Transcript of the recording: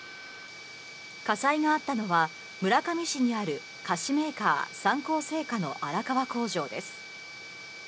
火災があったのは村上市にある菓子メーカー三幸製菓の荒川工場です。